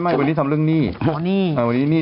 ไม่วันนี้ทำเรื่องหนี้